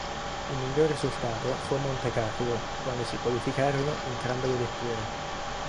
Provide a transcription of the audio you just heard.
Il miglior risultato fu a Montecarlo quando si qualificarono entrambe le vetture.